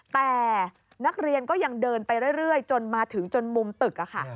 แต่นักเรียนก็ยังเดินไปเรื่อยจนมาถึงจนมุมตึกค่ะ